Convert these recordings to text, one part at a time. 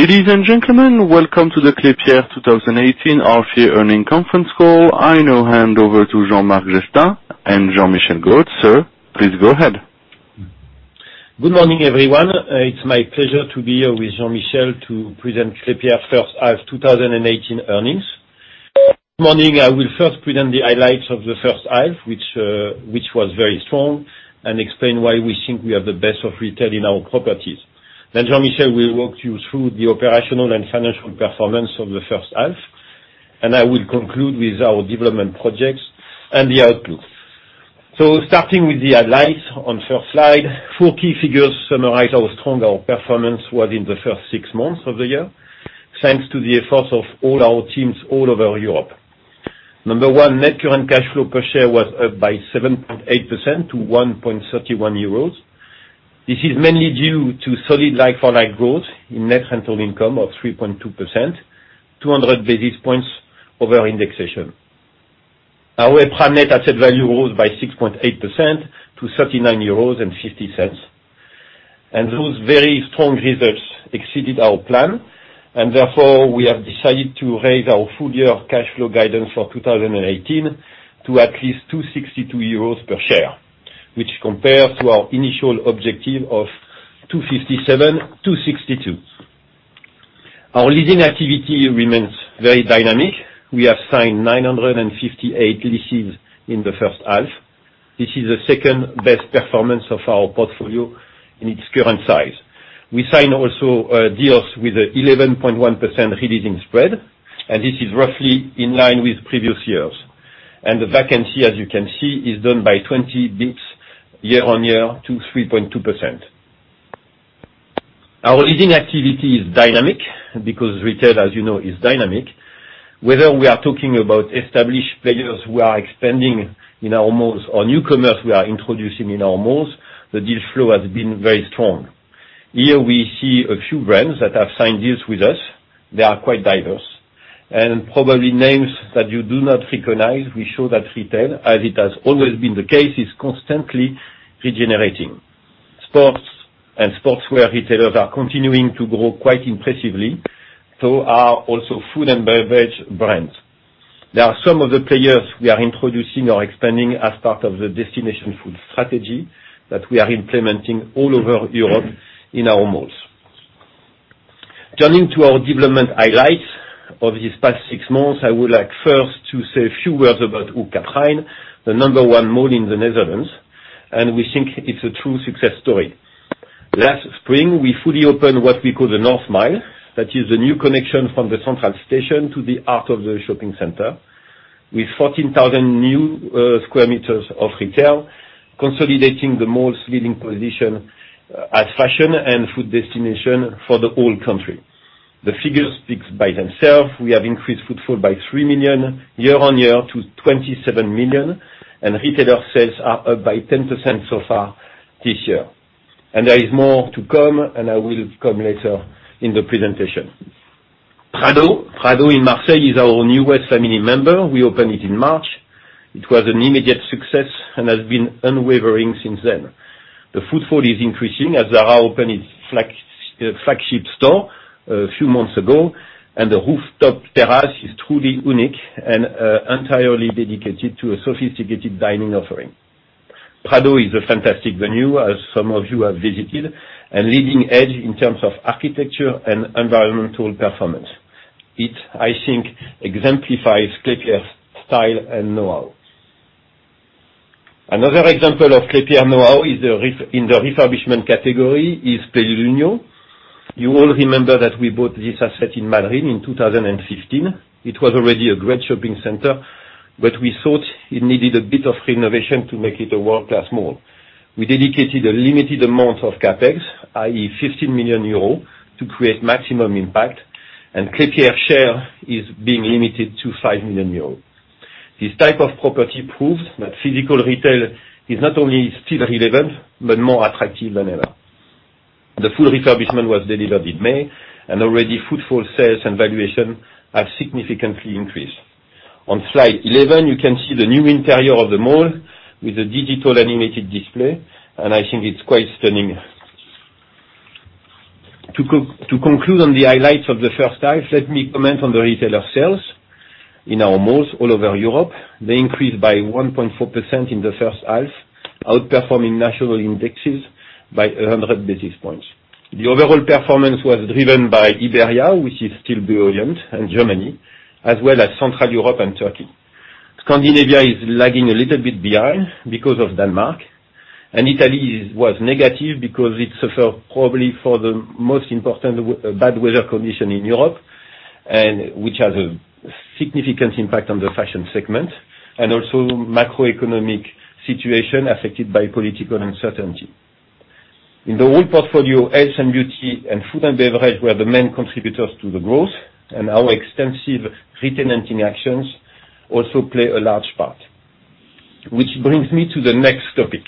Ladies and gentlemen, welcome to the Klépierre 2018 H1 Earnings Conference Call. I now hand over to Jean-Marc Jestin and Jean-Michel Gault. Sir, please go ahead. Good morning, everyone. It's my pleasure to be here with Jean-Michel to present Klépierre first half 2018 earnings. This morning, I will first present the highlights of the first half, which was very strong, and explain why we think we have the best of retail in our properties. Jean-Michel will walk you through the operational and financial performance of the first half, and I will conclude with our development projects and the outlook. Starting with the highlights on the first slide, four key figures summarize how strong our performance was in the first six months of the year, thanks to the efforts of all our teams all over Europe. Number one, net current cash flow per share was up by 7.8% to 1.31 euros. This is mainly due to solid like-for-like growth in net rental income of 3.2%, 200 basis points over indexation. Our EPRA net asset value rose by 6.8% to 39.50 euros. Those very strong results exceeded our plan, and therefore, we have decided to raise our full-year cash flow guidance for 2018 to at least 262 euros per share, which compares to our initial objective of 257-262. Our leasing activity remains very dynamic. We have signed 958 leases in the first half. This is the second-best performance of our portfolio in its current size. We signed also deals with 11.1% releasing spread, and this is roughly in line with previous years. The vacancy, as you can see, is down by 20 basis points year-on-year to 3.2%. Our leasing activity is dynamic because retail, as you know, is dynamic. Whether we are talking about established players who are expanding in our malls or newcomers we are introducing in our malls, the deal flow has been very strong. Here we see a few brands that have signed deals with us. They are quite diverse and probably names that you do not recognize. We show that retail, as it has always been the case, is constantly regenerating. Sports and sportswear retailers are continuing to grow quite impressively. Also food and beverage brands. There are some of the players we are introducing or expanding as part of the destination food strategy that we are implementing all over Europe in our malls. Turning to our development highlights of these past six months, I would like first to say a few words about Hoog Catharijne, the number one mall in the Netherlands, and we think it's a true success story. Last spring, we fully opened what we call the North Mile. That is the new connection from the central station to the heart of the shopping center with 14,000 new sq m of retail, consolidating the mall's leading position as fashion and food destination for the whole country. The figures speak by themselves. We have increased footfall by 3 million year-on-year to 27 million, and retailer sales are up by 10% so far this year. There is more to come, and I will come later in the presentation. Prado in Marseille is our newest family member. We opened it in March. It was an immediate success and has been unwavering since then. The footfall is increasing as Zara opened its flagship store a few months ago, and the rooftop terrace is truly unique and entirely dedicated to a sophisticated dining offering. Prado is a fantastic venue, as some of you have visited, and leading edge in terms of architecture and environmental performance. It, I think, exemplifies Klépierre's style and know-how. Another example of Klépierre know-how in the refurbishment category is Plenilunio. You all remember that we bought this asset in Madrid in 2015. It was already a great shopping center, but we thought it needed a bit of renovation to make it a world-class mall. We dedicated a limited amount of CapEx, i.e., 15 million euro, to create maximum impact, and Klépierre share is being limited to 5 million euro. This type of property proves that physical retail is not only still relevant but more attractive than ever. The full refurbishment was delivered in May, and already footfall sales and valuation have significantly increased. On slide 11, you can see the new interior of the mall with a digital animated display, and I think it's quite stunning. To conclude on the highlights of the first half, let me comment on the retailer sales in our malls all over Europe. They increased by 1.4% in the first half, outperforming national indexes by 100 basis points. The overall performance was driven by Iberia, which is still brilliant, and Germany, as well as Central Europe and Turkey. Scandinavia is lagging a little bit behind because of Denmark, and Italy was negative because it suffered probably for the most important bad weather condition in Europe, and which has a significant impact on the fashion segment, and also macroeconomic situation affected by political uncertainty. In the whole portfolio, health and beauty and food and beverage were the main contributors to the growth, and our extensive re-tenanting actions also play a large part. Which brings me to the next topic.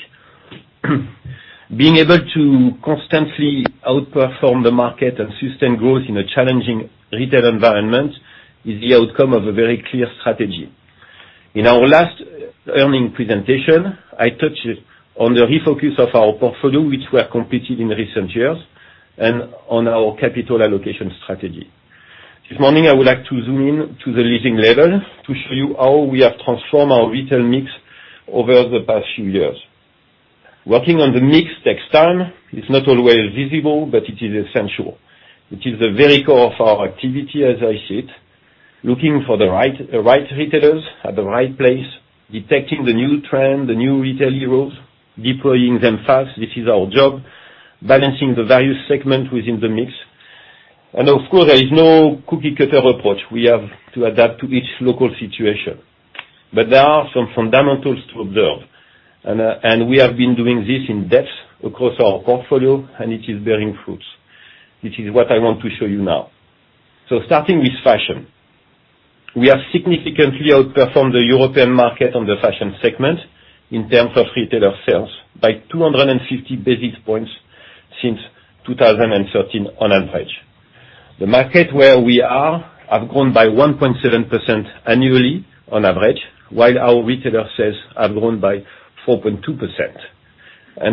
Being able to constantly outperform the market and sustain growth in a challenging retail environment is the outcome of a very clear strategy. In our last earnings presentation, I touched on the refocus of our portfolio, which were completed in recent years, and on our capital allocation strategy. This morning, I would like to zoom in to the leading level to show you how we have transformed our retail mix over the past few years. Working on the mix takes time. It's not always visible, but it is essential. It is the very core of our activity as I see it, looking for the right retailers at the right place, detecting the new trend, the new retail heroes, deploying them fast. This is our job, balancing the value segment within the mix. Of course, there is no cookie cutter approach. We have to adapt to each local situation. There are some fundamentals to observe, we have been doing this in depth across our portfolio, and it is bearing fruits. This is what I want to show you now. Starting with fashion. We have significantly outperformed the European market on the fashion segment in terms of retailer sales by 250 basis points since 2013 on average. The market where we are have grown by 1.7% annually on average, while our retailer sales have grown by 4.2%.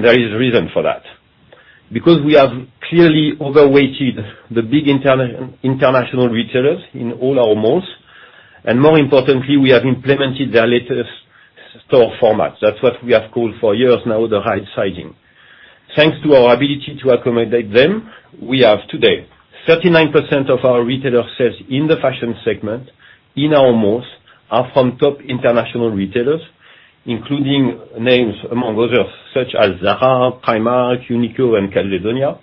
There is reason for that. We have clearly overweighted the big international retailers in all our malls, and more importantly, we have implemented their latest store formats. That's what we have called for years now, the right sizing. Thanks to our ability to accommodate them, we have today 39% of our retailer sales in the fashion segment in our malls are from top international retailers, including names among others, such as Zara, Primark, Uniqlo, and Calzedonia.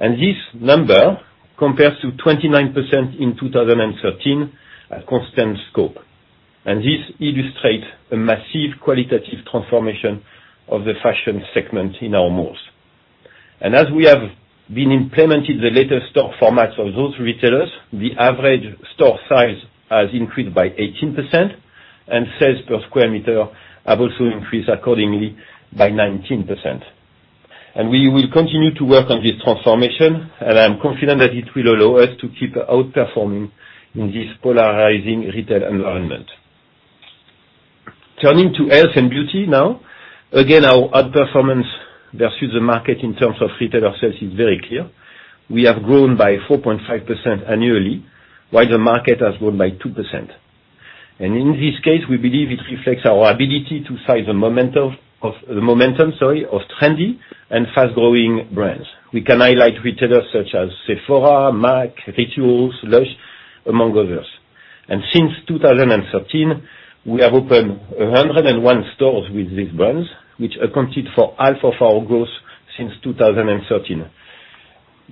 This number compares to 25% in 2013 at constant scope. This illustrates a massive qualitative transformation of the fashion segment in our malls. As we have been implementing the latest store formats of those retailers, the average store size has increased by 18%, and sales per sq m have also increased accordingly by 19%. We will continue to work on this transformation, and I'm confident that it will allow us to keep outperforming in this polarizing retail environment. Turning to health and beauty now. Again, our outperformance versus the market in terms of retailer sales is very clear. We have grown by 4.5% annually, while the market has grown by 2%. In this case, we believe it reflects our ability to size the momentum, sorry, of trendy and fast-growing brands. We can highlight retailers such as Sephora, MAC, Rituals, Lush, among others. Since 2013, we have opened 101 stores with these brands, which accounted for half of our growth since 2013.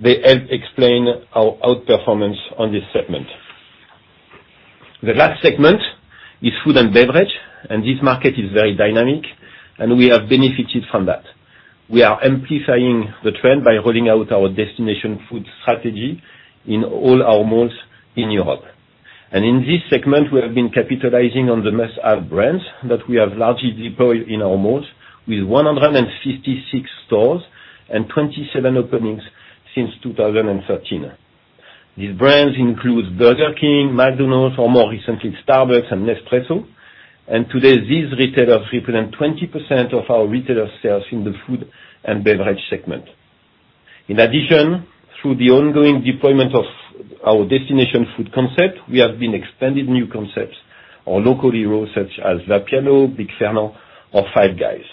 They help explain our outperformance on this segment. The last segment is food and beverage. This market is very dynamic, and we have benefited from that. We are amplifying the trend by rolling out our destination food strategy in all our malls in Europe. In this segment, we have been capitalizing on the must-have brands that we have largely deployed in our malls with 156 stores and 27 openings since 2013. These brands include Burger King, McDonald's, or more recently, Starbucks and Nespresso. Today, these retailers represent 20% of our retailer sales in the food and beverage segment. In addition, through the ongoing deployment of our destination food concept, we have been expanding new concepts or local heroes such as Vapiano, Big Fernand, or Five Guys.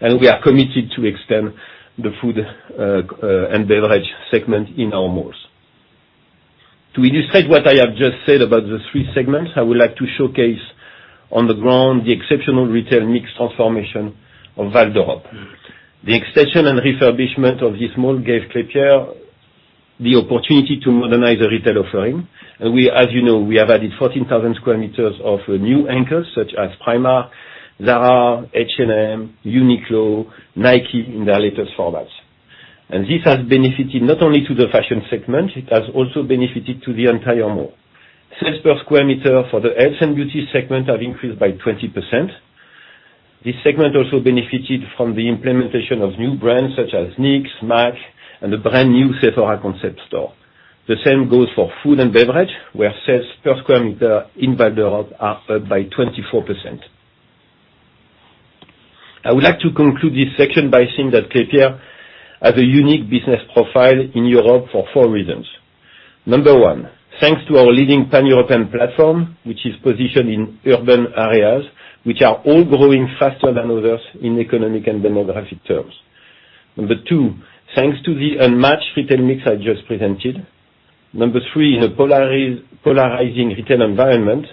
We are committed to extend the food and beverage segment in our malls. To illustrate what I have just said about the three segments, I would like to showcase on the ground the exceptional retail mix transformation of Val d'Europe. The extension and refurbishment of this mall gave Klépierre the opportunity to modernize the retail offering. As you know, we have added 14,000 sq m of new anchors such as Primark, Zara, H&M, Uniqlo, Nike in their latest formats. This has benefited not only to the fashion segment, it has also benefited to the entire mall. Sales per sq m for the health and beauty segment have increased by 20%. This segment also benefited from the implementation of new brands such as NYX, MAC, and the brand new Sephora concept store. The same goes for food and beverage, where sales per sq m in Val d'Europe are up by 24%. I would like to conclude this section by saying that Klépierre has a unique business profile in Europe for four reasons. Number one, thanks to our leading pan-European platform, which is positioned in urban areas, which are all growing faster than others in economic and demographic terms. Number two, thanks to the unmatched retail mix I just presented. Number three, in a polarizing retail environment,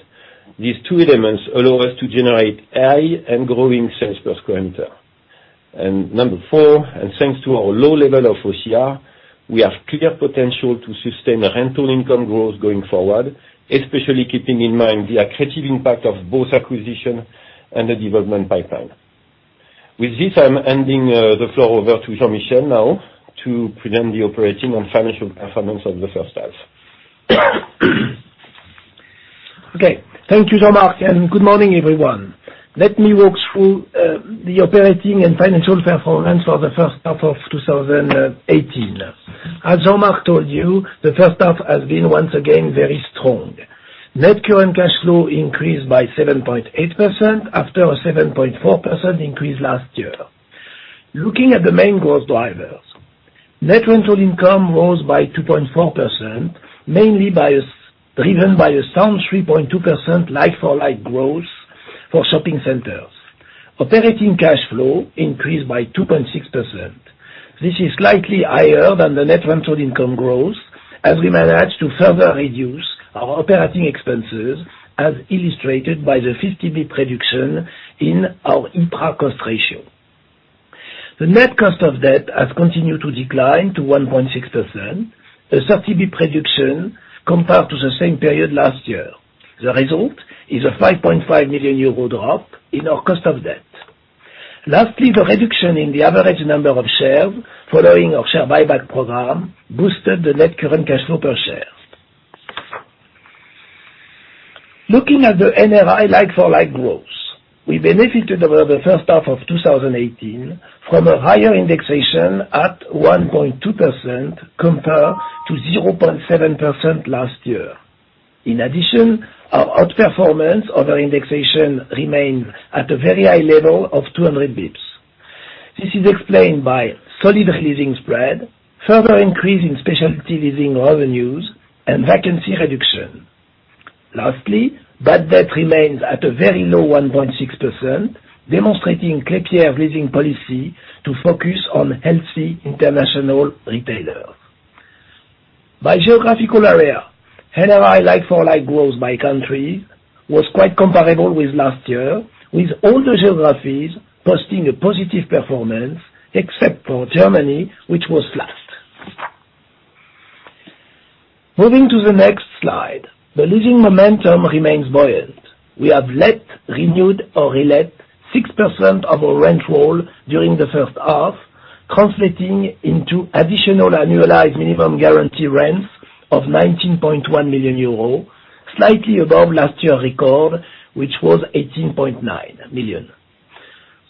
these two elements allow us to generate high and growing sales per sq m. Number four, thanks to our low level of OCR, we have clear potential to sustain rental income growth going forward, especially keeping in mind the accretive impact of both acquisition and the development pipeline. With this, I'm handing the floor over to Jean-Michel now to present the operating and financial performance of the first half. Okay. Thank you so much, and good morning, everyone. Let me walk through the operating and financial performance for the first half of 2018. As Jean-Marc told you, the first half has been once again very strong. Net current cash flow increased by 7.8% after a 7.4% increase last year. Looking at the main growth drivers, net rental income rose by 2.4%, mainly driven by a sound 3.2% like-for-like growth for shopping centers. Operating cash flow increased by 2.6%. This is slightly higher than the net rental income growth, as we managed to further reduce our operating expenses, as illustrated by the 50 basis points reduction in our EBITDA cost ratio. The net cost of debt has continued to decline to 1.6%, a 30 basis points reduction compared to the same period last year. The result is a 5.5 million euro drop in our cost of debt. Lastly, the reduction in the average number of shares, following our share buyback program, boosted the net current cash flow per share. Looking at the NRI like-for-like growth, we benefited over the first half of 2018 from a higher indexation at 1.2% compared to 0.7% last year. In addition, our outperformance over indexation remains at a very high level of 200 basis points. This is explained by solid leasing spread, further increase in specialty leasing revenues, and vacancy reduction. Lastly, bad debt remains at a very low 1.6%, demonstrating Klépierre leasing policy to focus on healthy international retailers. By geographical area, NRI like-for-like growth by country was quite comparable with last year, with all the geographies posting a positive performance, except for Germany, which was flat. Moving to the next slide. The leasing momentum remains buoyant. We have let, renewed, or relet 6% of our rent roll during the first half, translating into additional annualized minimum guarantee rents of €19.1 million, slightly above last year's record, which was 18.9 million.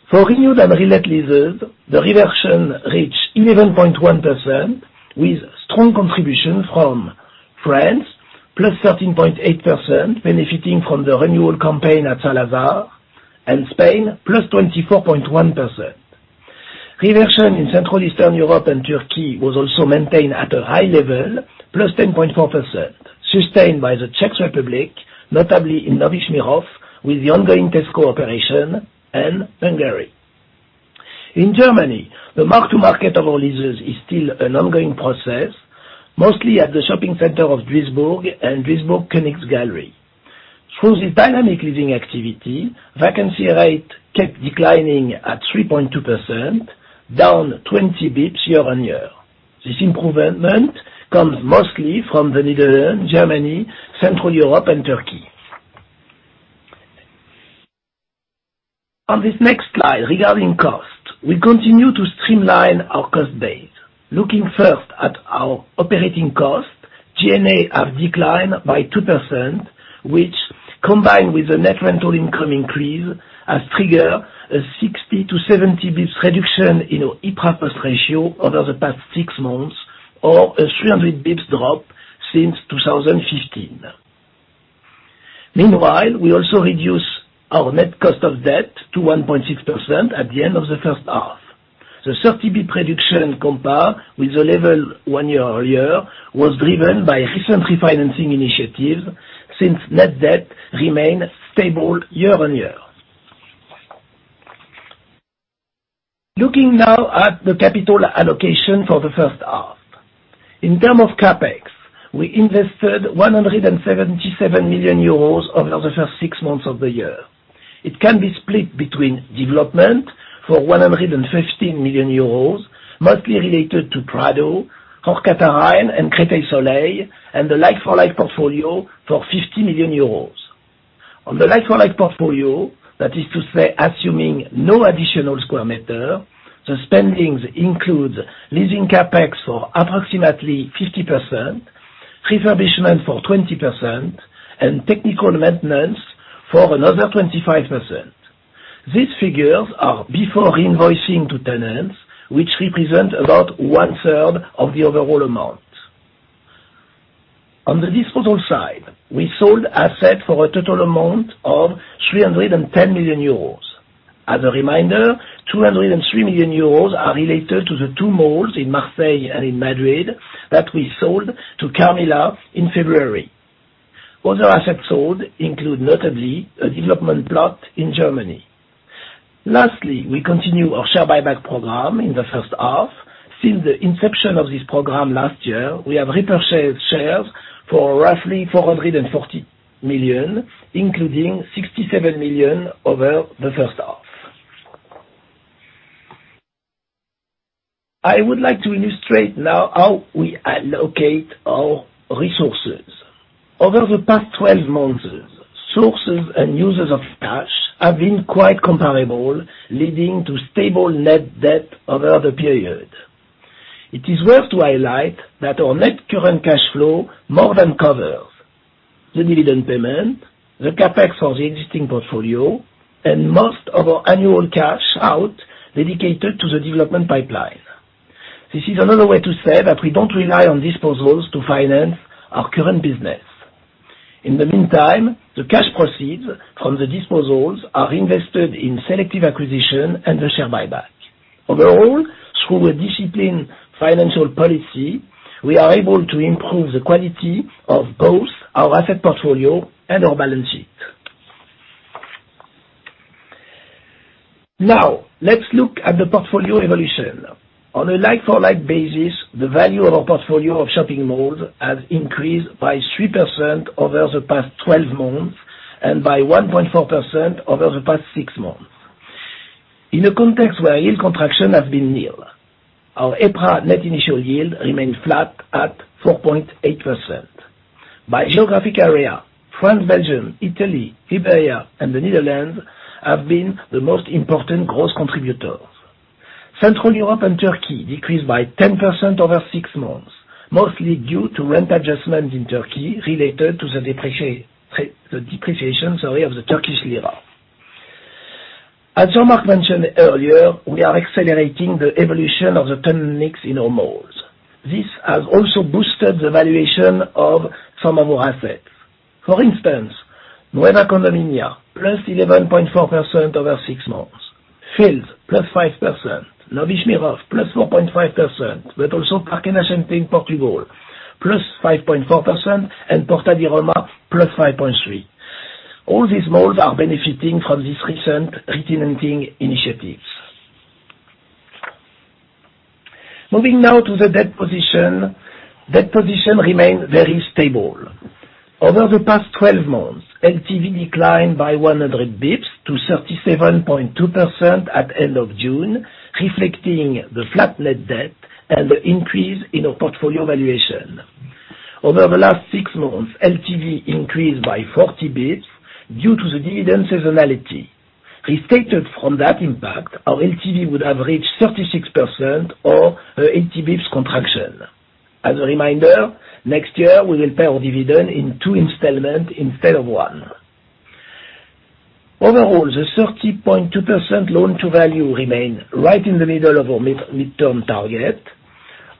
For renewed and relet leases, the reversion reached 11.1%, with strong contributions from France, plus 13.8%, benefiting from the renewal campaign at Saint-Lazare, and Spain, plus 24.1%. Reversion in Central Eastern Europe and Turkey was also maintained at a high level, plus 10.4%, sustained by the Czech Republic, notably in Nový Smíchov, with the ongoing Tesco operation, and Hungary. In Germany, the mark to market of our leases is still an ongoing process, mostly at the shopping center of Duisburg and Königsgalerie Duisburg. Through this dynamic leasing activity, vacancy rate kept declining at 3.2%, down 20 basis points year on year. This improvement comes mostly from the Netherlands, Germany, Central Europe, and Turkey. On this next slide, regarding cost, we continue to streamline our cost base. Looking first at our operating cost, G&A have declined by 2%, which, combined with the net rental income increase, has triggered a 60 to 70 basis points reduction in our EBITDA cost ratio over the past six months or a 300 basis points drop since 2015. Meanwhile, we also reduce our net cost of debt to 1.6% at the end of the first half. The 30 basis point reduction compared with the level one year earlier was driven by recent refinancing initiatives since net debt remained stable year on year. Looking now at the capital allocation for the first half. In terms of CapEx, we invested €177 million over the first six months of the year. It can be split between development for €115 million, mostly related to Prado, Hoog Catharijne, and Créteil Soleil, and the like-for-like portfolio for €50 million. On the like-for-like portfolio, that is to say, assuming no additional square meter, the spendings include leasing CapEx for approximately 50%, refurbishment for 20%, and technical maintenance for another 25%. These figures are before invoicing to tenants, which represent about one-third of the overall amount. On the disposal side, we sold assets for a total amount of €310 million. As a reminder, €203 million are related to the two malls in Marseille and in Madrid that we sold to Carmila in February. Other assets sold include, notably, a development plot in Germany. Lastly, we continue our share buyback program in the first half. Since the inception of this program last year, we have repurchased shares for roughly 440 million, including 67 million over the first half. I would like to illustrate now how we allocate our resources. Over the past 12 months, sources and uses of cash have been quite comparable, leading to stable net debt over the period. It is worth to highlight that our net current cash flow more than covers the dividend payment, the CapEx for the existing portfolio, and most of our annual cash out dedicated to the development pipeline. This is another way to say that we do not rely on disposals to finance our current business. In the meantime, the cash proceeds from the disposals are invested in selective acquisition and the share buyback. Overall, through a disciplined financial policy, we are able to improve the quality of both our asset portfolio and our balance sheet. On a like-for-like basis, the value of our portfolio of shopping malls has increased by 3% over the past 12 months and by 1.4% over the past six months. In a context where yield contraction has been nil, our EPRA net initial yield remains flat at 4.8%. By geographic area, France, Belgium, Italy, Iberia, and the Netherlands have been the most important gross contributors. Central Europe and Turkey decreased by 10% over six months, mostly due to rent adjustments in Turkey related to the depreciation of the Turkish lira. As Jean-Marc mentioned earlier, we are accelerating the evolution of the tenant mix in our malls. This has also boosted the valuation of some of our assets. For instance, Nueva Condomina, plus 11.4% over six months. Field's, plus 5%. Nový Smíchov, plus 4.5%, Parque das Nações in Portugal, plus 5.4%, and Porta di Roma, plus 5.3. All these malls are benefiting from these recent re-tenanting initiatives. Debt position remains very stable. Over the past 12 months, LTV declined by 100 basis points to 37.2% at end of June, reflecting the flat net debt and the increase in our portfolio valuation. Over the last six months, LTV increased by 40 basis points due to the dividend seasonality. Restated from that impact, our LTV would have reached 36% or 80 basis points contraction. As a reminder, next year we will pay our dividend in two installments instead of one. Overall, the 30.2% loan-to-value remain right in the middle of our midterm target.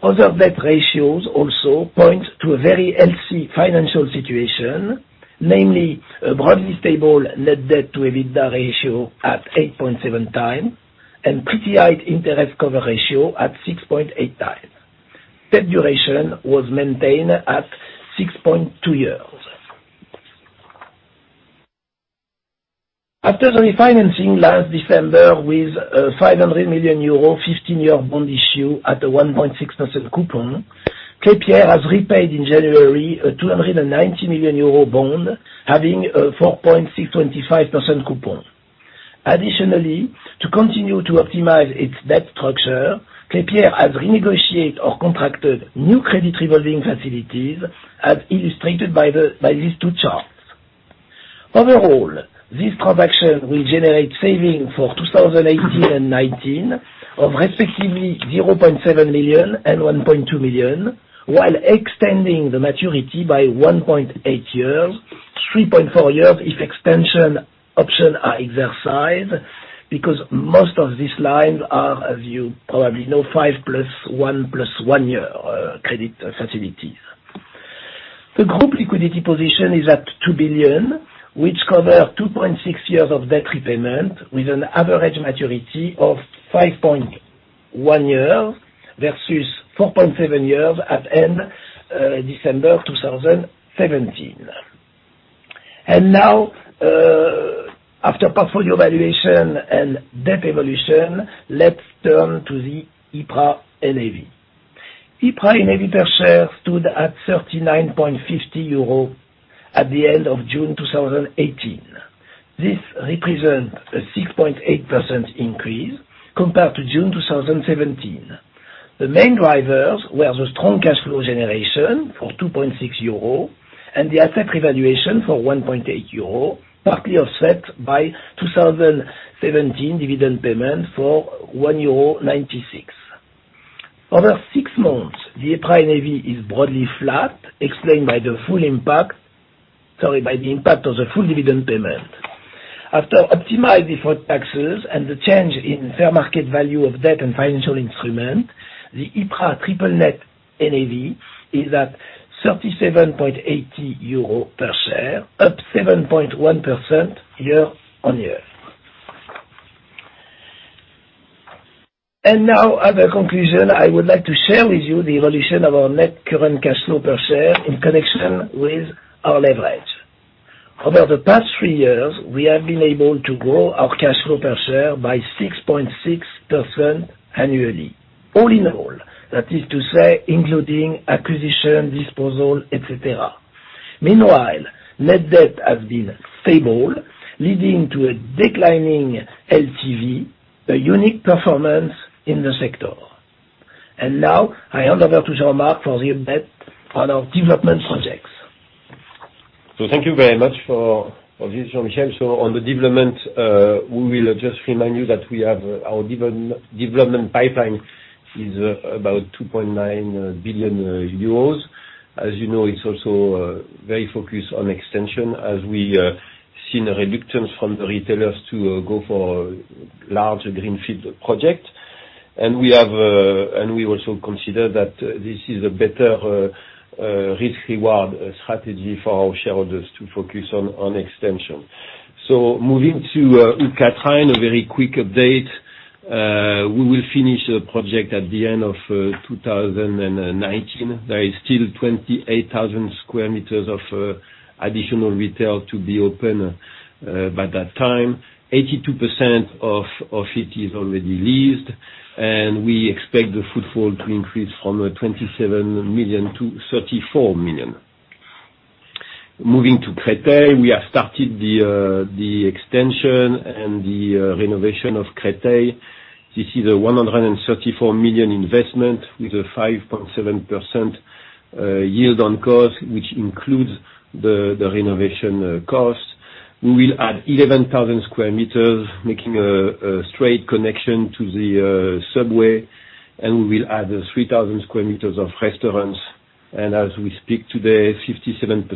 Other debt ratios also point to a very healthy financial situation, namely a broadly stable net debt to EBITDA ratio at 8.7 times and pretty high interest cover ratio at 6.8 times. Debt duration was maintained at 6.2 years. After the refinancing last December with a 500 million euro, 15-year bond issue at a 1.6% coupon, Klépierre has repaid in January a 290 million euro bond having a 4.625% coupon. Additionally, to continue to optimize its debt structure, Klépierre has renegotiated or contracted new credit revolving facilities as illustrated by these two charts. Overall, this transaction will generate savings for 2018 and 2019 of respectively 0.7 million and 1.2 million while extending the maturity by 1.8 years, 3.4 years if extension options are exercised, because most of these lines are, as you probably know, 5+1+1-year credit facilities. The group liquidity position is at 2 billion, which covers 2.6 years of debt repayment with an average maturity of 5.1 years versus 4.7 years at end December 2017. After portfolio valuation and debt evolution, let's turn to the EPRA NAV. EPRA NAV per share stood at 39.50 euro at the end of June 2018. This represents a 6.8% increase compared to June 2017. The main drivers were the strong cash flow generation for 2.6 euro and the asset revaluation for 1.8 euro, partly offset by 2017 dividend payment for 1.96 euro. Over six months, the EPRA NAV is broadly flat, explained by the impact of the full dividend payment. After optimized default taxes and the change in fair market value of debt and financial instrument, the EPRA triple net NAV is at 37.80 euro per share, up 7.1% year-on-year. I would like to share with you the evolution of our net current cash flow per share in connection with our leverage. Over the past three years, we have been able to grow our cash flow per share by 6.6% annually. All in all, that is to say, including acquisition, disposal, et cetera. Meanwhile, net debt has been stable, leading to a declining LTV, a unique performance in the sector. I hand over to Jean-Marc for the update on our development projects. Thank you very much for this, Jean-Michel. On the development, we will just remind you that our development pipeline is about 2.9 billion euros. As you know, it's also very focused on extension as we seen a reluctance from the retailers to go for larger greenfield project. We also consider that this is a better risk/reward strategy for our shareholders, to focus on extension. Moving to Hoog Catharijne, a very quick update. We will finish the project at the end of 2019. There is still 28,000 square meters of additional retail to be open by that time. 82% of it is already leased, and we expect the footfall to increase from 27 million to 34 million. Moving to Créteil, we have started the extension and the renovation of Créteil. This is a 134 million investment with a 5.7% yield on cost, which includes the renovation cost. We will add 11,000 square meters, making a straight connection to the subway, and we will add 3,000 square meters of restaurants. As we speak today, 57%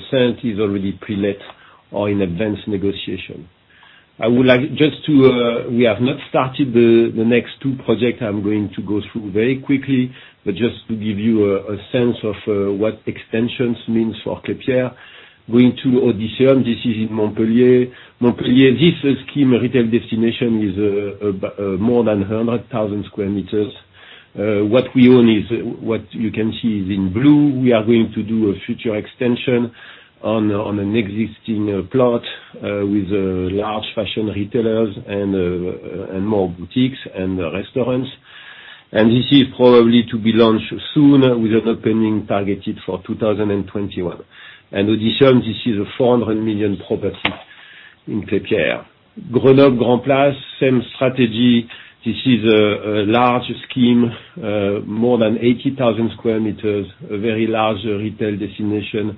is already pre-let or in advanced negotiation. We have not started the next two projects. I'm going to go through very quickly, but just to give you a sense of what extensions means for Klépierre. Going to Odysseum, this is in Montpellier. Montpellier, this scheme retail destination is more than 100,000 square meters. What you can see is in blue, we are going to do a future extension on an existing plot with large fashion retailers and more boutiques and restaurants. This is probably to be launched soon with an opening targeted for 2021. Odysseum, this is a 400 million property in Klépierre. Grenoble Grand Place, same strategy. This is a large scheme, more than 80,000 square meters, a very large retail destination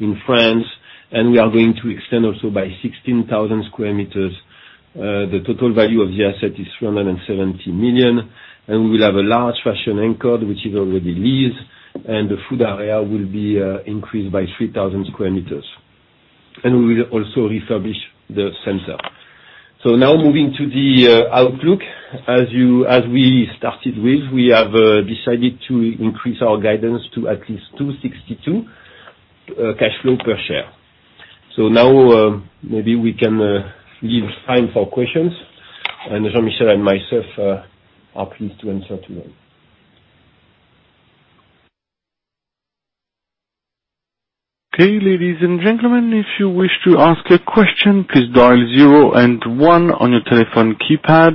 in France. We are going to extend also by 16,000 square meters. The total value of the asset is 370 million, and we will have a large fashion anchor, which is already leased, and the food area will be increased by 3,000 square meters. We will also refurbish the center. Now moving to the outlook. As we started with, we have decided to increase our guidance to at least 2.62 cash flow per share. Now maybe we can leave time for questions, and Jean-Michel and myself are pleased to answer to them. Okay. Ladies and gentlemen, if you wish to ask a question, please dial zero and one on your telephone keypad.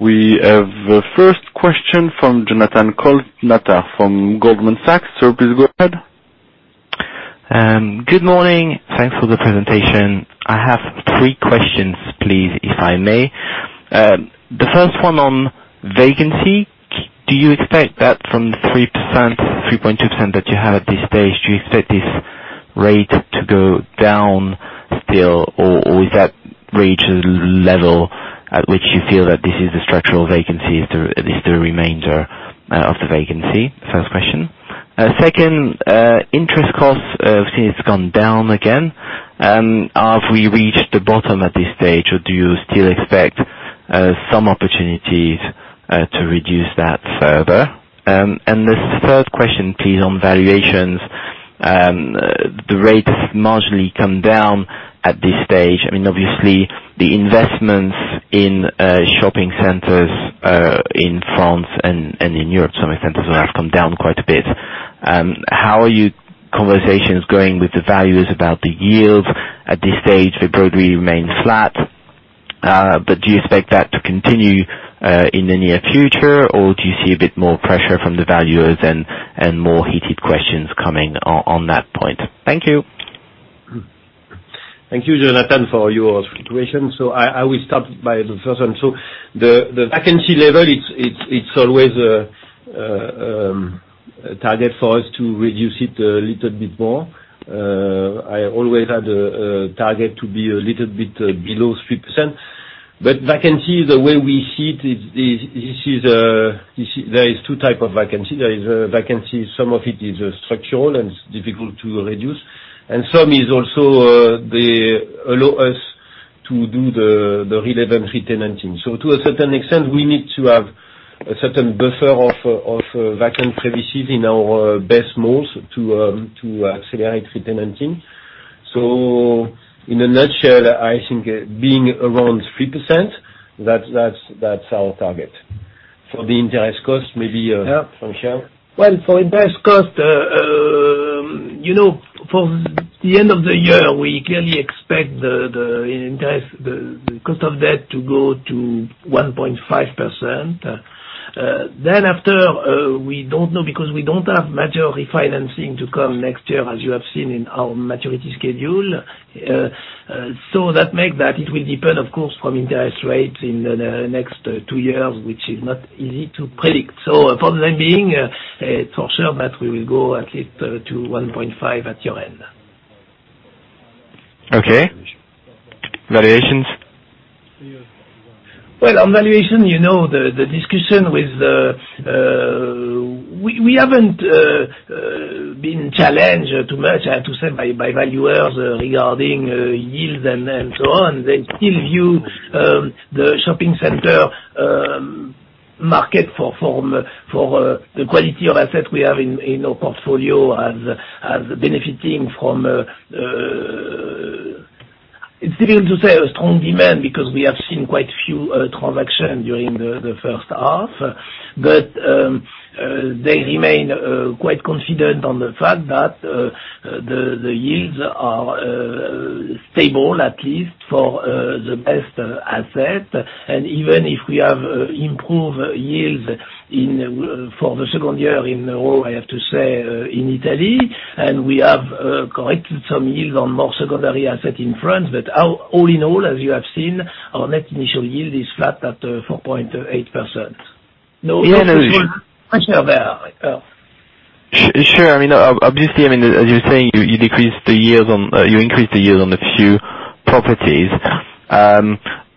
We have the first question from Jonathan Kownator from Goldman Sachs. Sir, please go ahead. Good morning. Thanks for the presentation. I have three questions please, if I may. The first one on vacancy. Do you expect that from the 3.2% that you have at this stage, do you expect this rate to go down still, or is that rate level at which you feel that this is the structural vacancy, is the remainder of the vacancy? First question. Second, interest cost, we've seen it's gone down again. Have we reached the bottom at this stage or do you still expect some opportunities to reduce that further? The third question please, on valuations. The rate has marginally come down at this stage. Obviously, the investments in shopping centers, in France and in Europe, some of the centers have come down quite a bit. How are your conversations going with the valuers about the yield? At this stage, they broadly remain flat. Do you expect that to continue, in the near future, or do you see a bit more pressure from the valuers and more heated questions coming on that point? Thank you. Thank you, Jonathan, for your three questions. I will start by the first one. The vacancy level, it's always a target for us to reduce it a little bit more. I always had a target to be a little bit below 3%. Vacancy, the way we see it, there is 2 type of vacancy. There is vacancy, some of it is structural and it's difficult to reduce. Some allow us to do the relevant tenanting. To a certain extent, we need to have a certain buffer of vacant premises in our best malls to accelerate tenanting. In a nutshell, I think being around 3%, that's our target. For the interest cost, maybe, Jean-Michel? Well, for interest cost, for the end of the year, we clearly expect the cost of debt to go to 1.5%. After, we don't know because we don't have major refinancing to come next year as you have seen in our maturity schedule. That make that it will depend, of course, from interest rates in the next two years, which is not easy to predict. For the time being, it's for sure that we will go at least to 1.5 at year-end. Okay. Valuations? Well, on valuation, We haven't been challenged too much, I have to say, by valuers regarding yields and so on. They still view the shopping center market for the quality of assets we have in our portfolio as benefiting from, it's difficult to say a strong demand, because we have seen quite few transactions during the first half. They remain quite confident on the fact that the yields are stable, at least, for the best asset. Even if we have improved yields for the second year in a row, I have to say, in Italy, and we have collected some yields on more secondary asset in France. All in all, as you have seen, our net initial yield is flat at 4.8%. No question there. Sure. Obviously, as you're saying, you increased the yields on a few properties.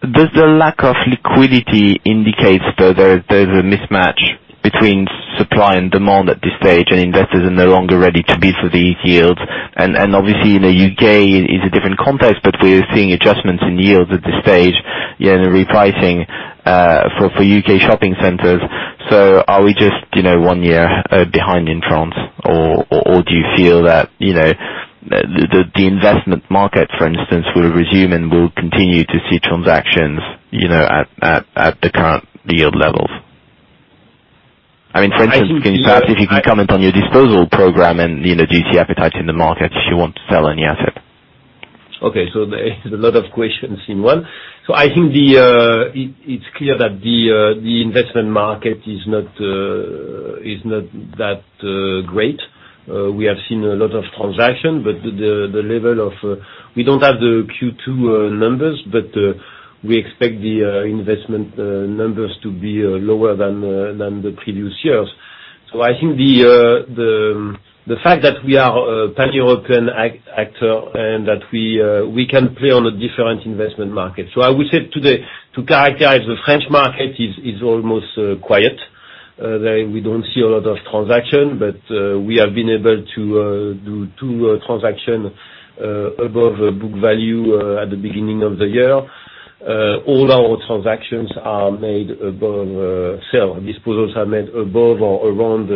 Does the lack of liquidity indicates there's a mismatch between supply and demand at this stage, and investors are no longer ready to be for these yields? Obviously, in the U.K. is a different context, but we are seeing adjustments in yields at this stage in the repricing for U.K. shopping centers. Are we just one year behind in France? Do you feel that, the investment market, for instance, will resume and we'll continue to see transactions at the current yield levels? For instance, perhaps if you could comment on your disposal program and do you see appetite in the market if you want to sell any asset? Okay, there is a lot of questions in one. I think it's clear that the investment market is not that great. We have seen a lot of transaction, but we don't have the Q2 numbers, but we expect the investment numbers to be lower than the previous years. I think the fact that we are a pan-European actor, and that we can play on a different investment market. I would say today, to characterize, the French market is almost quiet. We don't see a lot of transaction, but we have been able to do two transaction above book value at the beginning of the year. All our transactions are made above sale. Disposals are made above or around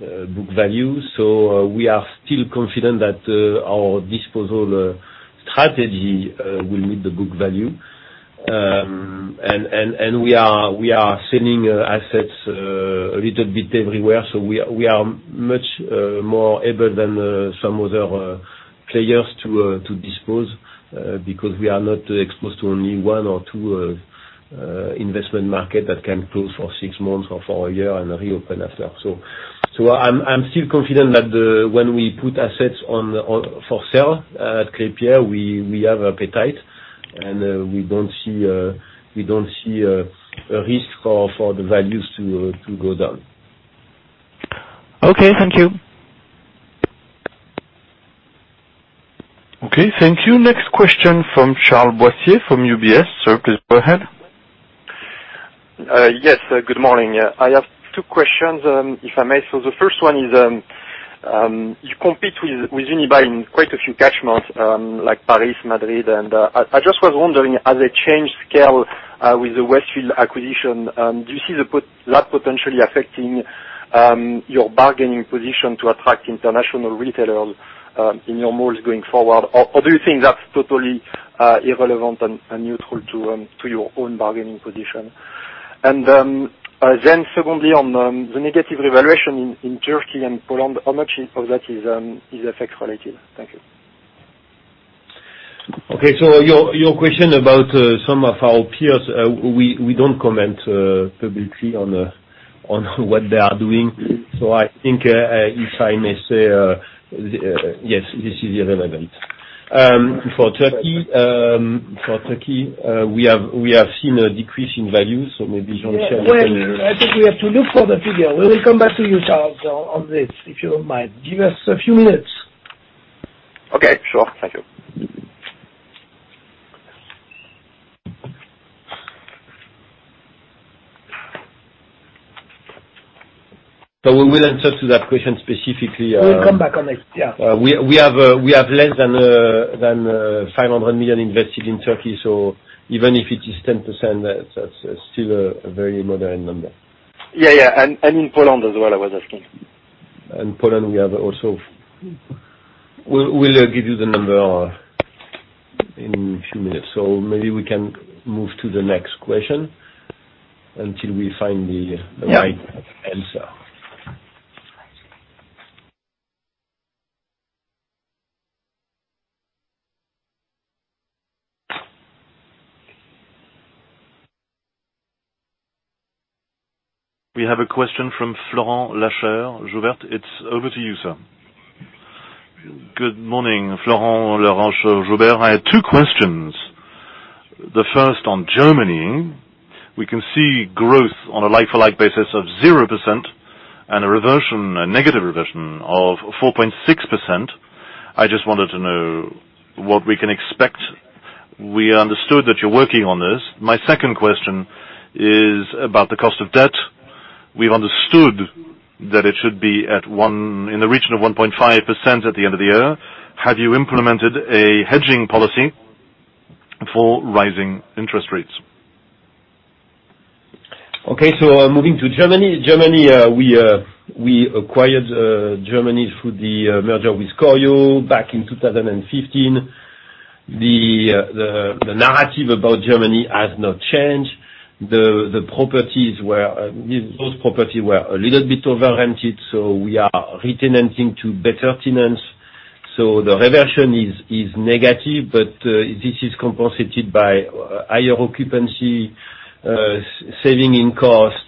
book value. We are still confident that our disposal strategy will meet the book value. We are selling assets a little bit everywhere, we are much more able than some other players to dispose, because we are not exposed to only one or two investment market that can close for six months or for a year and reopen after. I'm still confident that when we put assets for sale at Klépierre, we have appetite, and we don't see a risk for the values to go down. Okay, thank you. Okay, thank you. Next question from Charles Boissier from UBS. Sir, please go ahead. Yes, good morning. I have two questions, if I may. The first one is, you compete with Unibail in quite a few catchments, like Paris, Madrid. I just was wondering, as they change scale with the Westfield acquisition, do you see that potentially affecting your bargaining position to attract international retailers in your malls going forward? Do you think that's totally irrelevant and neutral to your own bargaining position? Secondly, on the negative revaluation in Turkey and Poland, how much of that is Forex related? Thank you. Okay. Your question about some of our peers, we don't comment publicly on what they are doing. I think, if I may say, yes, this is irrelevant. For Turkey, we have seen a decrease in value, maybe Jean will tell you- I think we have to look for the figure. We will come back to you, Charles, on this, if you don't mind. Give us a few minutes. Okay, sure. Thank you. We will answer to that question specifically. We'll come back on it, yeah. We have less than 500 million invested in Turkey, so even if it is 10%, that's still a very moderate number. Yeah. In Poland as well, I was asking. Poland, we'll give you the number in a few minutes. Maybe we can move to the next question until we find the right answer. We have a question from Florent Laroche-Joubert. Joubert, it's over to you, sir. Good morning, Florent Laroche-Joubert. Joubert. I have two questions. The first on Germany. We can see growth on a like-for-like basis of 0% and a negative reversion of 4.6%. I just wanted to know what we can expect. We understood that you're working on this. My second question is about the cost of debt. We've understood that it should be in the region of 1.5% at the end of the year. Have you implemented a hedging policy for rising interest rates? Moving to Germany. We acquired Germany through the merger with Corio back in 2015. The narrative about Germany has not changed. Those properties were a little bit over-rented, we are re-tenanting to better tenants. The reversion is negative, but this is compensated by higher occupancy, saving in cost.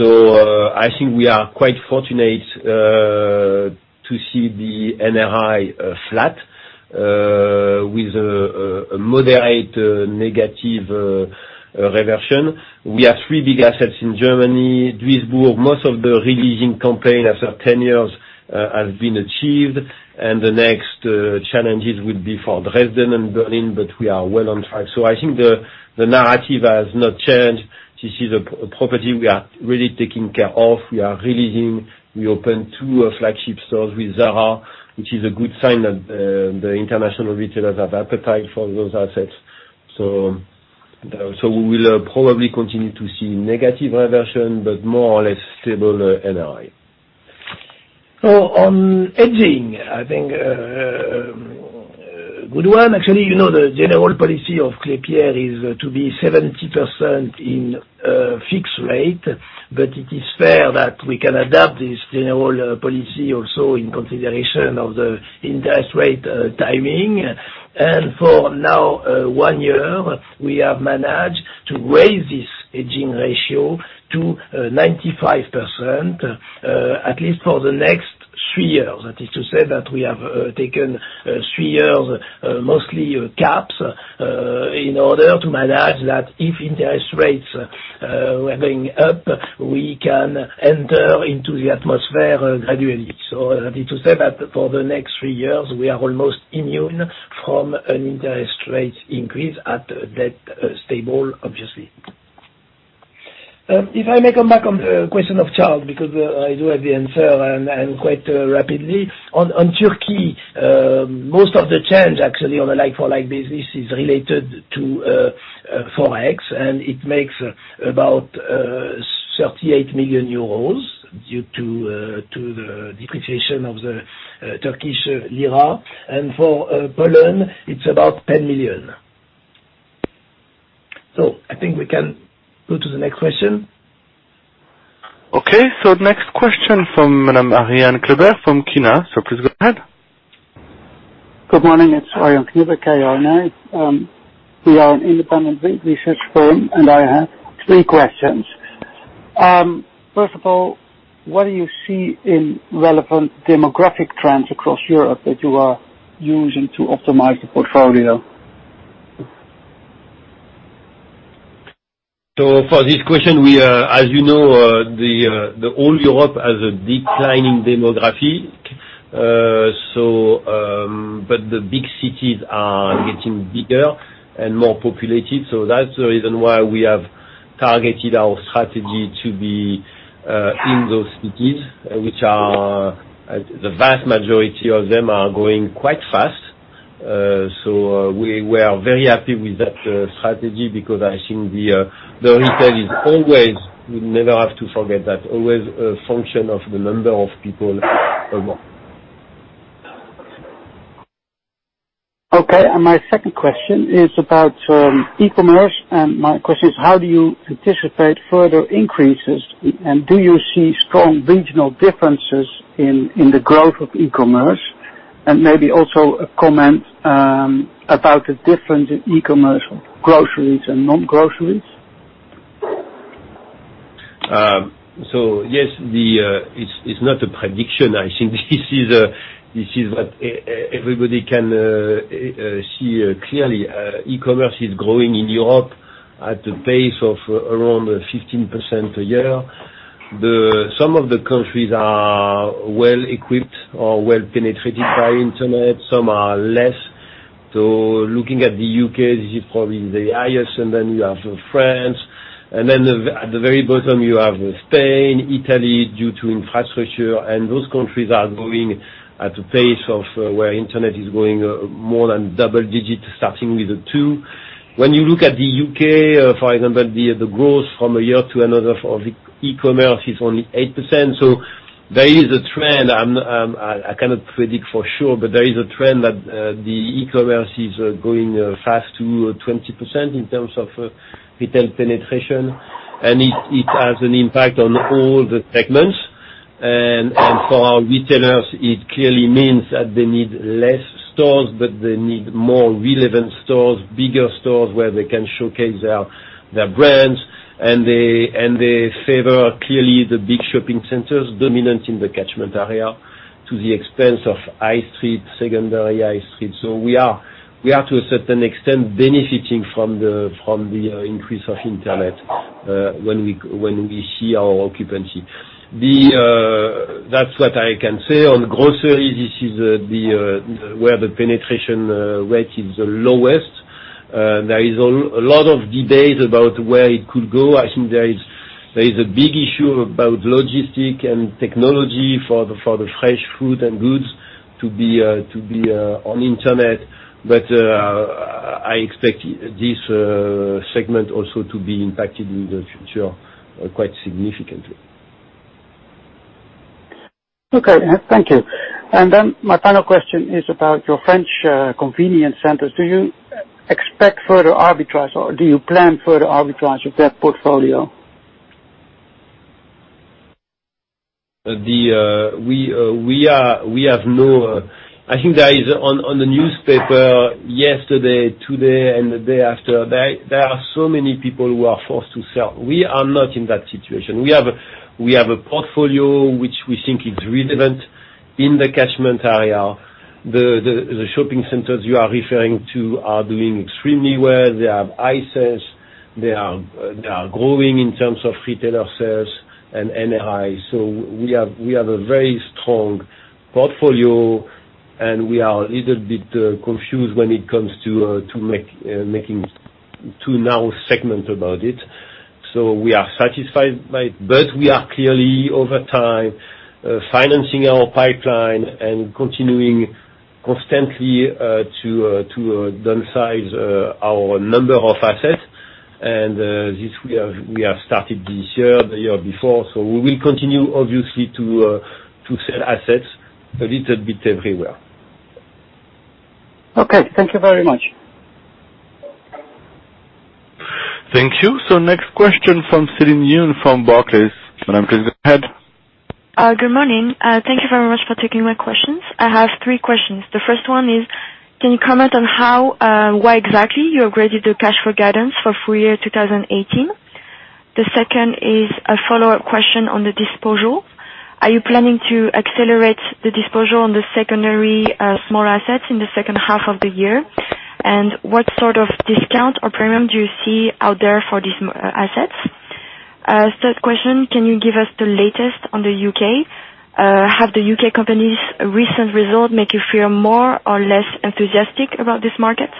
I think we are quite fortunate to see the NRI flat, with a moderate negative reversion. We have three big assets in Germany. Duisburg, most of the releasing campaign after 10 years, have been achieved, and the next challenges would be for Dresden and Berlin, but we are well on track. I think the narrative has not changed. This is a property we are really taking care of. We are releasing. We opened two flagship stores with Zara, which is a good sign that the international retailers have appetite for those assets. We will probably continue to see negative reversion, but more or less stable NRI. On hedging, I think, good one. Actually, the general policy of Klépierre is to be 70% in fixed rate, but it is fair that we can adapt this general policy also in consideration of the interest rate timing. For now, one year, we have managed to raise this hedging ratio to 95%, at least for the next three years. That is to say that we have taken three years, mostly caps, in order to manage that if interest rates are going up, we can enter into the atmosphere gradually. That is to say that for the next three years, we are almost immune from an interest rate increase at that stable, obviously. If I may come back on the question of Charles, because I do have the answer, and quite rapidly. On Turkey, most of the change actually on a like-for-like basis is related to Forex, and it makes about 38 million euros due to the depreciation of the Turkish lira. For Poland, it is about 10 million. I think we can go to the next question. Okay. Next question from Madam Ariane Kleber from Kina. Please go ahead. Good morning. It is Ariane Kleber, K-L-E-B-E-R. We are an independent research firm, I have three questions. First of all, what do you see in relevant demographic trends across Europe that you are using to optimize the portfolio? For this question, as you know, the old Europe has a declining demography, but the big cities are getting bigger and more populated. That's the reason why we have targeted our strategy to be in those cities, which the vast majority of them are growing quite fast. We are very happy with that strategy because I think the retail is always, we never have to forget that, always a function of the number of people or more. Okay. My second question is about e-commerce, and my question is how do you anticipate further increases? Do you see strong regional differences in the growth of e-commerce? Maybe also a comment about the difference in e-commerce on groceries and non-groceries. Yes, it's not a prediction. I think this is what everybody can see clearly. E-commerce is growing in Europe at a pace of around 15% a year. Some of the countries are well-equipped or well penetrated by internet, some are less. Looking at the U.K., this is probably the highest, and then you have France, and then at the very bottom, you have Spain, Italy, due to infrastructure, and those countries are growing at a pace of where internet is growing more than double digits, starting with a two. When you look at the U.K., for example, the growth from a year to another for e-commerce is only 8%. There is a trend, I cannot predict for sure, but there is a trend that the e-commerce is growing fast to 20% in terms of retail penetration, and it has an impact on all the segments. For our retailers, it clearly means that they need less stores, but they need more relevant stores, bigger stores where they can showcase their brands. They favor, clearly, the big shopping centers dominant in the catchment area. To the expense of high street, secondary high street. We are, to a certain extent, benefiting from the increase of internet when we see our occupancy. That's what I can say. On grocery, this is where the penetration rate is the lowest. There is a lot of debates about where it could go. I think there is a big issue about logistic and technology for the fresh food and goods to be on internet. I expect this segment also to be impacted in the future quite significantly. Okay. Thank you. Then my final question is about your French convenience centers. Do you expect further arbitrage, or do you plan further arbitrage of that portfolio? I think that is on the newspaper yesterday, today, and the day after, there are so many people who are forced to sell. We are not in that situation. We have a portfolio which we think is relevant in the catchment area. The shopping centers you are referring to are doing extremely well. They have high sales. They are growing in terms of retailer sales and NRI. We have a very strong portfolio, and we are a little bit confused when it comes to now segment about it. We are satisfied by it. We are clearly, over time, financing our pipeline and continuing constantly to downsize our number of assets. This we have started this year, the year before. We will continue, obviously, to sell assets a little bit everywhere. Okay. Thank you very much. Thank you. Next question from Celine Yoon from Barclays. Madam, please go ahead. Good morning. Thank you very much for taking my questions. I have three questions. The first one is, can you comment on why exactly you upgraded the cash flow guidance for full year 2018? The second is a follow-up question on the disposal. Are you planning to accelerate the disposal on the secondary small assets in the second half of the year? What sort of discount or premium do you see out there for these assets? Third question, can you give us the latest on the U.K.? Have the U.K. companies' recent result made you feel more or less enthusiastic about this market?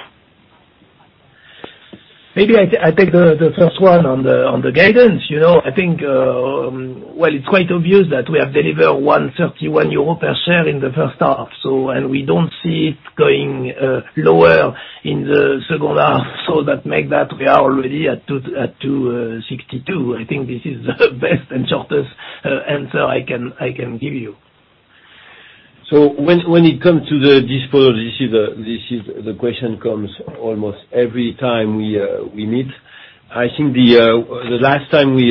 Maybe I take the first one on the guidance. I think, well, it's quite obvious that we have delivered 1.31 euro per share in the first half, and we don't see it going lower in the second half. That make that we are already at 2.62. I think this is best and shortest answer I can give you. When it comes to the disposal, the question comes almost every time we meet. I think the last time we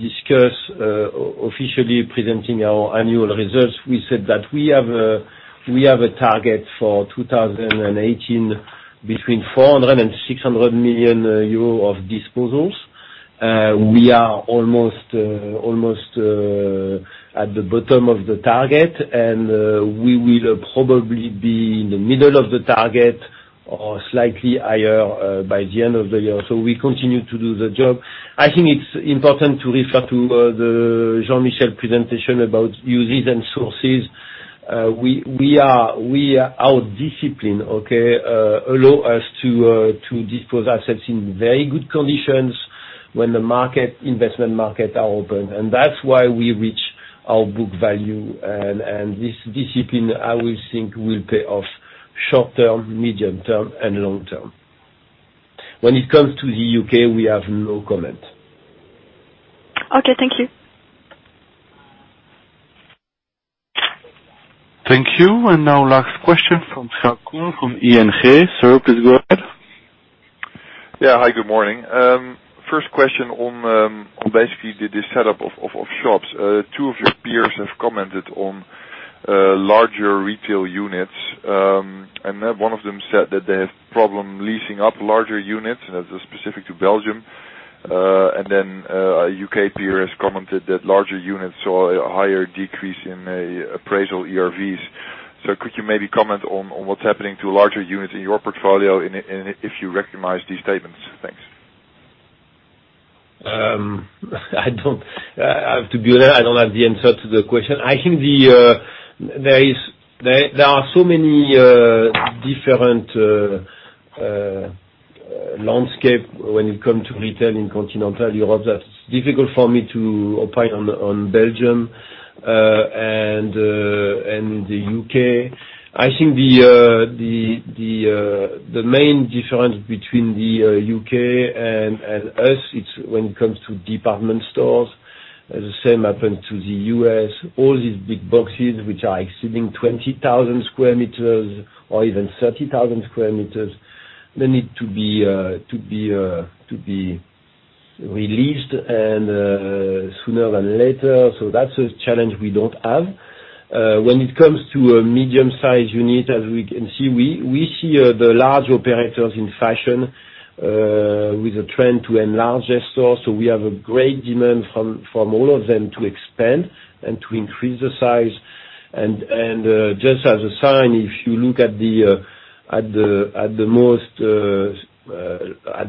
discussed officially presenting our annual results, we said that we have a target for 2018 between 400 million and 600 million euro of disposals. We are almost at the bottom of the target, and we will probably be in the middle of the target or slightly higher by the end of the year. We continue to do the job. I think it's important to refer to the Jean-Michel presentation about uses and sources. Our discipline allow us to dispose assets in very good conditions when the investment market are open, and that's why we reach our book value. This discipline, I will think, will pay off short-term, medium-term, and long-term. When it comes to the U.K., we have no comment. Okay, thank you. Thank you. Now last question from [Jacques Koen from ING]. Sir, please go ahead. Yeah, hi, good morning. First question on basically the setup of shops. Two of your peers have commented on larger retail units. One of them said that they have problem leasing up larger units, and that's specific to Belgium. Then a U.K. peer has commented that larger units saw a higher decrease in appraisal ERVs. Could you maybe comment on what's happening to larger units in your portfolio, and if you recognize these statements? Thanks. I have to be honest, I don't have the answer to the question. I think there are so many different landscape when it come to retail in continental Europe that it's difficult for me to opine on Belgium and the U.K. I think the main difference between the U.K. and us, it's when it comes to department stores. The same happened to the U.S. All these big boxes, which are exceeding 20,000 sq m or even 30,000 sq m, they need to be released and sooner than later. That's a challenge we don't have. When it comes to a medium size unit, as we can see, we see the large operators in fashion With a trend to enlarge their stores. We have a great demand from all of them to expand and to increase the size. Just as a sign, if you look at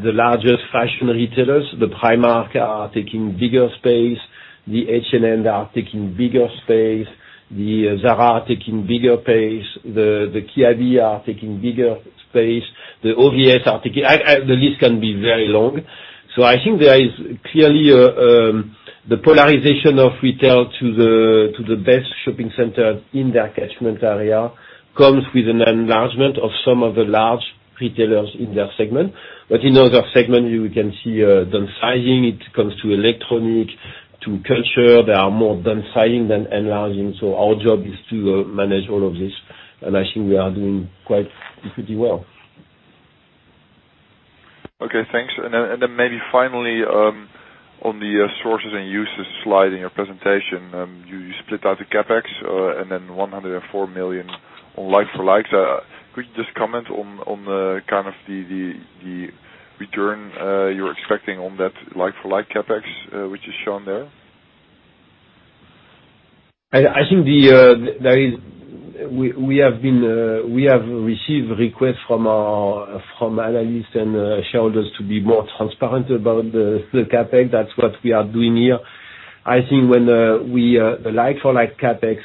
the largest fashion retailers, the Primark are taking bigger space. The H&M are taking bigger space. The Zara are taking bigger space. The Kiabi are taking bigger space. The OVS. The list can be very long. I think there is clearly the polarization of retail to the best shopping center in their catchment area, comes with an enlargement of some of the large retailers in their segment. In other segment, we can see downsizing. It comes to electronic, to culture. There are more downsizing than enlarging. Our job is to manage all of this, and I think we are doing quite pretty well. Okay, thanks. Finally, on the sources and uses slide in your presentation, you split out the CapEx, 104 million on like-for-likes. Could you just comment on the kind of return you're expecting on that like-for-like CapEx which is shown there? I think we have received requests from analysts and shareholders to be more transparent about the CapEx. That's what we are doing here. When the like-for-like CapEx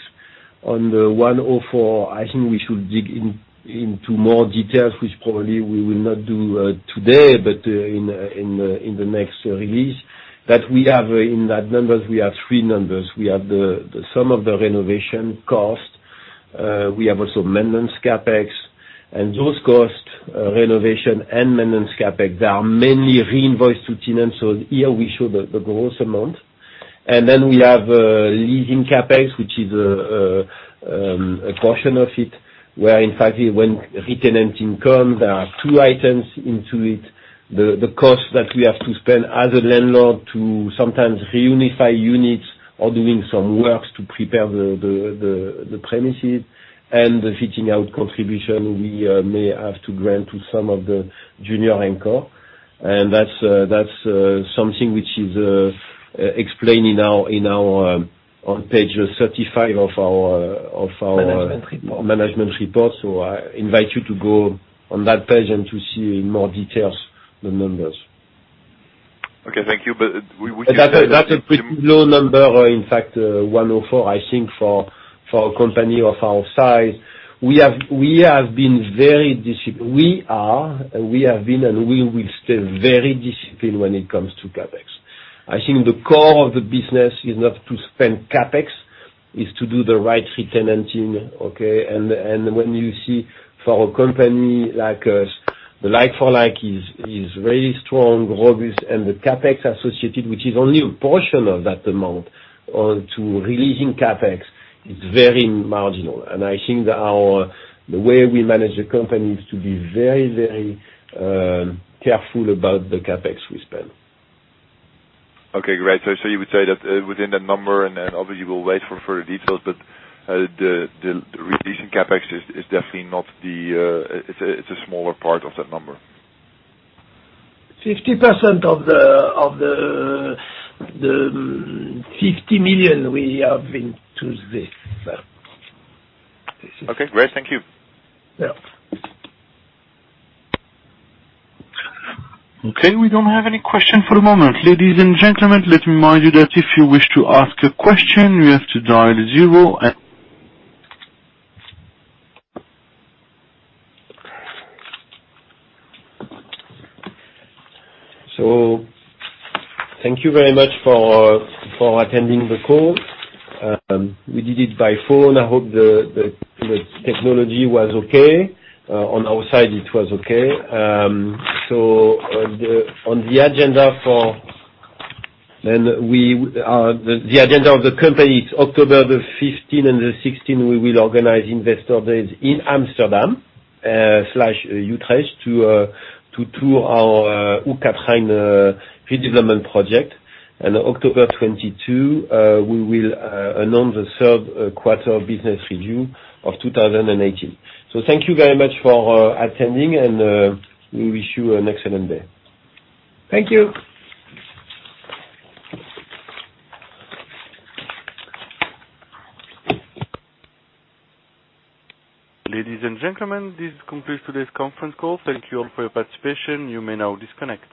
on the 104, I think we should dig into more details, which probably we will not do today, but in the next release. In those numbers, we have three numbers. We have the sum of the renovation cost. We have also maintenance CapEx. Those costs, renovation and maintenance CapEx, they are mainly reinvoiced to tenants. Here we show the gross amount. We have leasing CapEx, which is a portion of it, where in fact, when re-tenanting comes, there are two items into it. The cost that we have to spend as a landlord to sometimes reunify units or doing some works to prepare the premises. The fitting-out contribution we may have to grant to some of the junior anchor. That's something which is explained on page 35 of our- Management report. management report. I invite you to go on that page and to see in more details the numbers. Okay, thank you. Would you say that the That's a pretty low number. In fact, 104, I think for a company of our size. We are, we have been, and we will stay very disciplined when it comes to CapEx. I think the core of the business is not to spend CapEx, it's to do the right re-tenanting, okay? When you see for a company like us, the like-for-like is really strong ROIs, and the CapEx associated, which is only a portion of that amount, to releasing CapEx, is very marginal. I think the way we manage the company is to be very careful about the CapEx we spend. Okay, great. You would say that within that number, and then obviously we'll wait for further details, but the releasing CapEx is definitely, it's a smaller part of that number? 50% of the 50 million we have into this, yeah. Okay, great. Thank you. Yeah. Okay, we don't have any question for the moment. Ladies and gentlemen, let me remind you that if you wish to ask a question, you have to dial zero. Thank you very much for attending the call. We did it by phone. I hope the technology was okay. On our side, it was okay. On the agenda of the company, it's October the 15th and the 16th, we will organize investor days in Amsterdam/Utrecht to tour our Hoog Catharijne redevelopment project. October 22, we will announce the third quarter business review of 2018. Thank you very much for attending, and we wish you an excellent day. Thank you. Ladies and gentlemen, this concludes today's conference call. Thank you all for your participation. You may now disconnect.